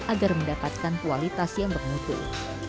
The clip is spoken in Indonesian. agar mendapatkan kualitas yang bernutur